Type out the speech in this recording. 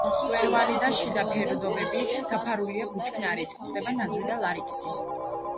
მწვერვალი და შიდა ფერდობები დაფარულია ბუჩქნარით, გვხვდება ნაძვი და ლარიქსი.